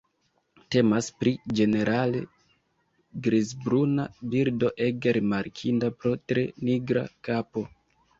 Temas pri ĝenerale grizbruna birdo ege rimarkinda pro tre nigra kapo.